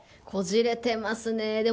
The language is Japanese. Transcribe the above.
こじれてますね。